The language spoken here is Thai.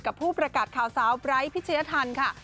ผู้ประกาศข่าวสาวไบร์ทพิชยธรรมค่ะ